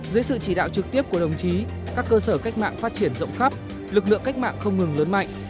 dưới sự chỉ đạo trực tiếp của đồng chí các cơ sở cách mạng phát triển rộng khắp lực lượng cách mạng không ngừng lớn mạnh